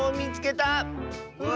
うわ！